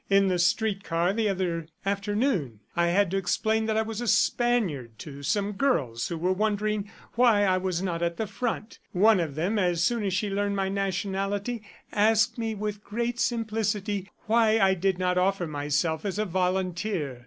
In the street car, the other afternoon, I had to explain that I was a Spaniard to some girls who were wondering why I was not at the front. ... One of them, as soon as she learned my nationality, asked me with great simplicity why I did not offer myself as a volunteer.